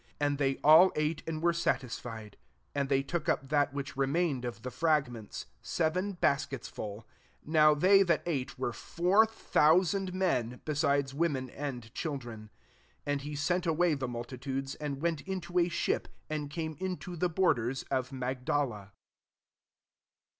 37 And they aU ate, and were satisfied : and they took up that which re mained of the fragments, seven baskets full. 38 Now they that ate were four thousand meo, besides women and children. 39 And he sent away the mul titudes, and went into a ship, and came into the borders of Magdala.